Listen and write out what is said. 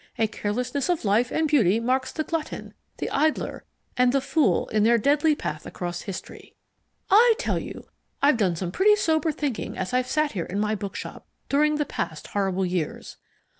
A carelessness of life and beauty marks the glutton, the idler, and the fool in their deadly path across history.' I tell you, I've done some pretty sober thinking as I've sat here in my bookshop during the past horrible years.